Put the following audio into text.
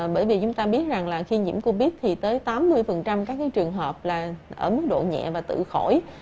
bởi vì chúng ta biết rằng là khi nhiễm covid thì tới tám mươi các trường hợp là ở mức độ nhẹ và tự khỏi